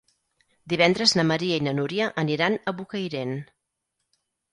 Divendres na Maria i na Núria aniran a Bocairent.